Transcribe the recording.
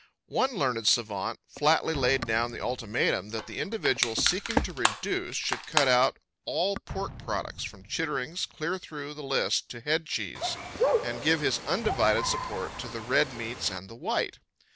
One learned savant flatly laid down the ultimatum that the individual seeking to reduce should cut out all pork products from chitterings clear through the list to headcheese and give his undivided support to the red meats and the white.